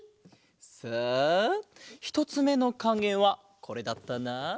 さあひとつめのかげはこれだったな。